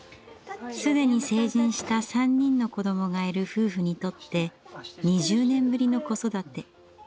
既に成人した３人の子どもがいる夫婦にとって２０年ぶりの子育て。